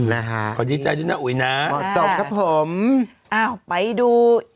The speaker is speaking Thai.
ยค่ะขอดีใจด้วยนะอุยน่าขอสมครับผมอ้าวไปดูอีก